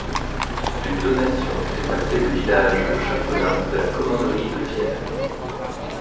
Une donation fait passer le village au chapelain de la commanderie de Fieffes.